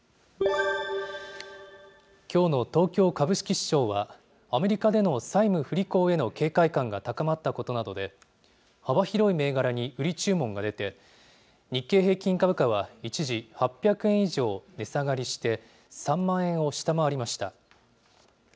きょうの東京株式市場は、アメリカでの債務不履行への警戒感が高まったことなどで、幅広い銘柄に売り注文が出て、日経平均株価は、一時８００円以上値下がりして、３万円を下回りました。